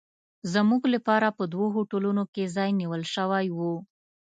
زموږ لپاره په دوو هوټلونو کې ځای نیول شوی و.